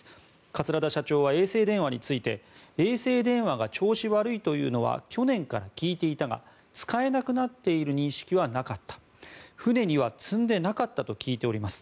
桂田社長は衛星電話について衛星電話が調子悪いというのは去年から聞いていたが使えなくなっている認識はなかった船には積んでなかったと聞いております